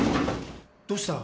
どうした？